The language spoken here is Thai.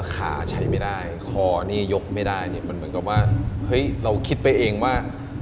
ขาใช้ไม่ได้คอนี่ยกไม่ได้เนี่ยมันเหมือนกับว่าเฮ้ยเราคิดไปเองว่า